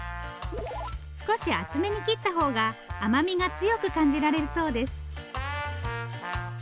少し厚めに切ったほうが甘みが強く感じられるそうです。